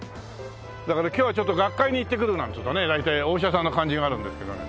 だから「今日はちょっと学会に行ってくる」なんて言うとね大体お医者さんの感じがあるんですけどね。